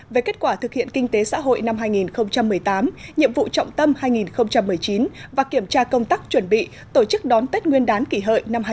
về kết quả thực hiện kinh tế xã hội năm hai nghìn một mươi tám nhiệm vụ trọng tâm hai nghìn một mươi chín và kiểm tra công tác chuẩn bị tổ chức đón tết nguyên đán kỷ hợi năm hai nghìn một mươi chín